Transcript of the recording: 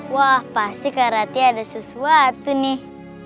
wah pasti kak rati ada sesuatu nih